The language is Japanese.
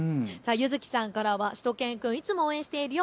ゆずきさんからはしゅと犬くん、いつも応援しているよ。